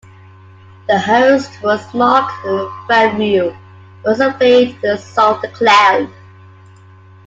The host was Marc Favreau, who also played Sol the Clown.